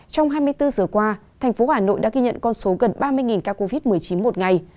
trong hai mươi bốn giờ qua thành phố hà nội đã ghi nhận con số gần ba mươi ca covid một mươi chín một ngày